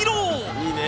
いいね！